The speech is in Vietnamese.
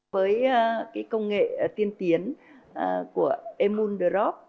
với công nghệ tiên tiến của emundrop